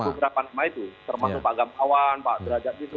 ada beberapa sama itu termasuk pak gampawan pak brajad miswi